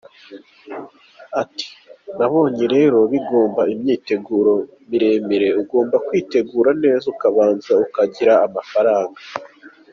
Ati “Nabyo rero bigomba imyiteguro miremire, ugomba kwitegura neza, ukabanza ukagira amafaranga.